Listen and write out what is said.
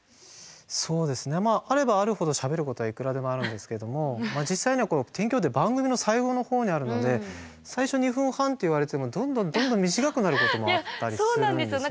そうですねあればあるほどしゃべることはいくらでもあるんですけども実際には天気予報って番組の最後の方にあるので最初２分半って言われててもどんどんどんどん短くなることもあったりするんですよね。